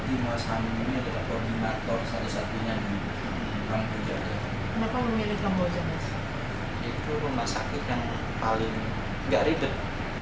itu rumah sakit yang paling enggak ridet